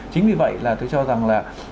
chính vì vậy là tôi cho rằng là